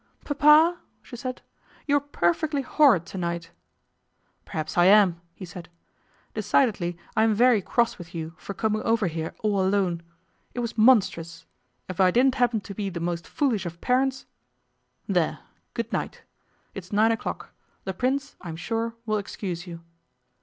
'Papa,' she said, 'you are perfectly horrid to night.' 'Perhaps I am,' he said. 'Decidedly I am very cross with you for coming over here all alone. It was monstrous. If I didn't happen to be the most foolish of parents There! Good night. It's nine o'clock. The Prince, I am sure, will excuse you.